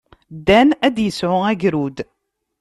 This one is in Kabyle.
Dan ad d-yesɛu agrud.